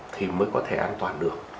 thì mới có thể an toàn được